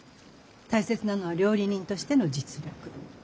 大切なのは料理人としての実力。